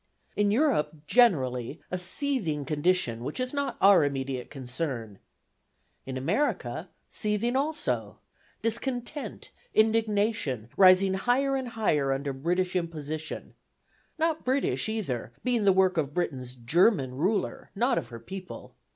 In Europe, generally, a seething condition which is not our immediate concern. In America, seething also: discontent, indignation, rising higher and higher under British imposition (not British either, being the work of Britain's German ruler, not of her people!)